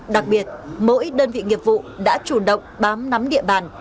đặc biệt mỗi đơn vị nghiệp vụ đã chủ động bám nắm địa bàn